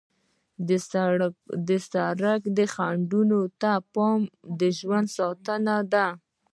د سړک خنډونو ته پام د ژوند ساتنه ده.